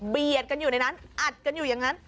กันอยู่ในนั้นอัดกันอยู่อย่างนั้น